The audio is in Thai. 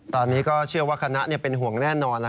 ตอนนี้ก็เชื่อว่าคณะเป็นห่วงแน่นอน